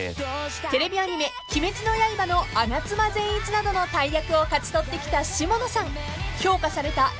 ［テレビアニメ『鬼滅の刃』の我妻善逸などの大役を勝ち取ってきた下野さん］